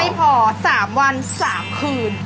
ไม่พอ๓วัน๓คืน